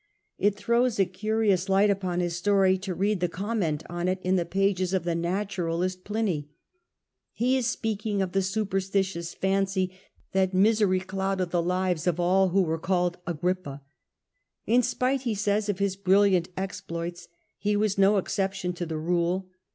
It throws a curious light upon his story to read the comment on it in the pages of the naturalist Pliny. He is ^,,.^,../, Remarks of speaking of the superstitious fancy that Pliny about misery clouded the lives of all who were called Agrippa. In spite, he says, of his brilliant ex ploits he was no exception to the rule.